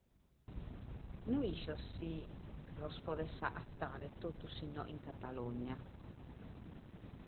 No isco si tue ddos podes agatare totus inoghe in Catalugna.